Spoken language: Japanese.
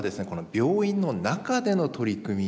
病院の中での取り組み